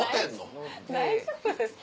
大丈夫ですか？